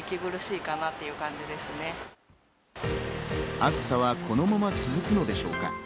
暑さはこのまま続くのでしょうか。